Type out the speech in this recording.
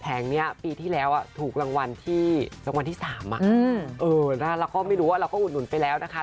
แผงนี้ปีที่แล้วถูกรางวัลที่สามแล้วเราก็ไม่รู้เราก็อุ่นไปแล้วนะคะ